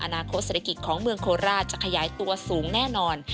อนาคตเศรษฐกิจของเมืองโคราชจะขยายตัวสูงแน่นอน